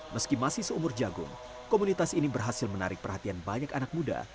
meski masih seumur jagung komunitas ini berhasil menarik perhatian banyak anak muda